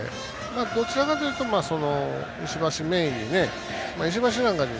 どちらかというと石橋メインなんで。